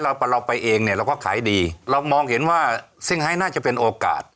เราไปเองเนี่ยเราก็ขายดีเรามองเห็นว่าซิ่งไฮน่าจะเป็นโอกาส